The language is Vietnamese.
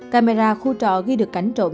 camera khu trọ ghi được cảnh trộn